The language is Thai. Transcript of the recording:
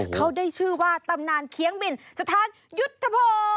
เขาได้ชื่อว่าตำนานเคี้ยงบินสถานยุทธโภ